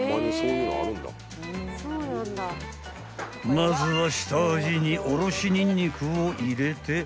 ［まずは下味におろしにんにくを入れて］